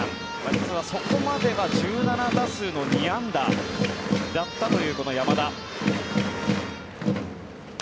実はそこまでは１７打数２安打だったという山田。